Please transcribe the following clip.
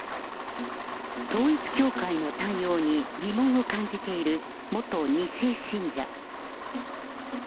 統一教会の対応に疑問を感じている元２世信者。